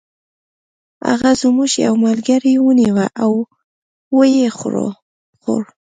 هغه زموږ یو ملګری ونیوه او و یې خوړ.